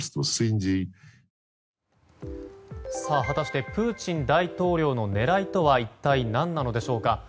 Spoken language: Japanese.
果たしてプーチン大統領の狙いとは一体何なのでしょうか。